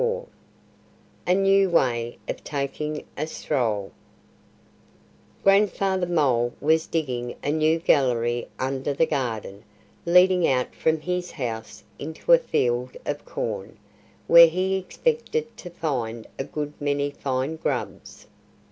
IV A NEW WAY OF TAKING A STROLL GRANDFATHER MOLE was digging a new gallery under the garden, leading out from his house into a field of corn, where he expected to find a good many fine grubs.